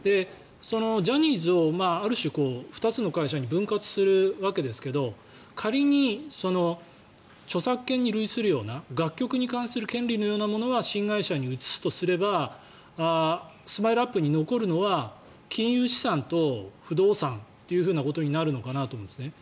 ジャニーズをある種２つの会社に分割するわけですが仮に著作権に類するような楽曲に関する権利のようなものを新会社に移すとすればＳＭＩＬＥ−ＵＰ．に残るのは金融資産と不動産ということになるのかなと思うんですね。